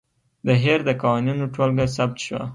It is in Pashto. د هیر د قوانینو ټولګه ثبت شوه.